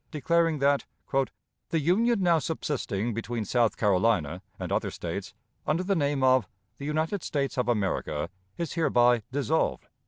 declaring that "the union now subsisting between South Carolina and other States, under the name of 'The United States of America,' is hereby dissolved."